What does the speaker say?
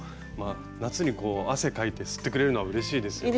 夏にこう汗かいて吸ってくれるのはうれしいですよね。